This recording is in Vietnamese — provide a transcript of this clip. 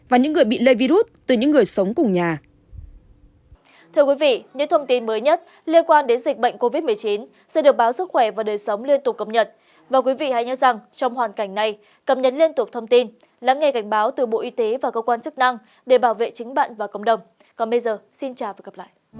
và những người bị lây virus từ những người sống cùng nhà